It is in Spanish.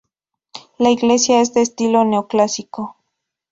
La iglesia es de estilo neoclásico.